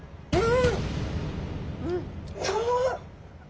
うん！